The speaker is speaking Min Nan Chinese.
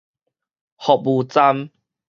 服務站